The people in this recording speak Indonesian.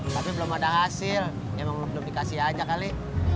tapi belum ada hasil memang belum dikasih aja kali